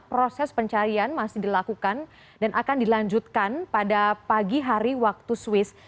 proses pencarian masih dilakukan dan akan dilanjutkan pada pagi hari waktu swiss